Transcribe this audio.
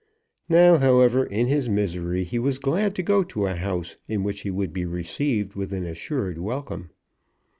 Now, however, in his misery he was glad to go to a house in which he would be received with an assured welcome.